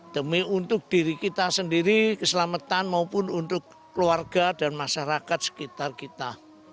demi untuk diri kita sendiri keselamatan maupun untuk keluarga dan masyarakat sekitar kita